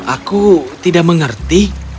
aku tidak mengerti